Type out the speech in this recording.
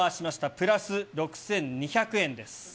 プラス６２００円です。